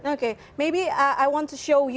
oke mungkin aku mau tunjukkan